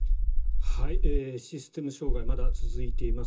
システム障害まだ続いています。